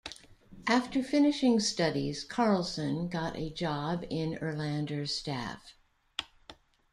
After finishing studies Carlsson got a job in Erlander's staff.